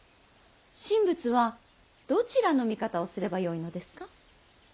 神仏はどちらの味方をすればよいのですか。